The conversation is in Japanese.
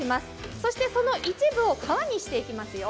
そしてその一部を皮にしていきますよ。